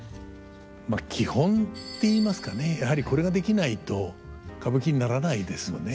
まあ基本ていいますかねやはりこれができないと歌舞伎にならないですよね。